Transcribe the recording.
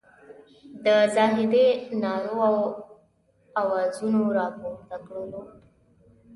د زاهدي نارو او اوازونو راپورته کړلو.